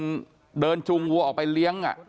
มันเดินจูงวัวออกไปเลี้ยง